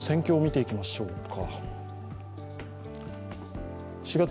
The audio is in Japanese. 戦況を見ていきましょうか。